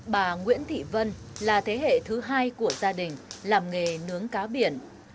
bà nguyễn thị vân là thế hệ thứ hai của gia đình làm nghề nướng cá biển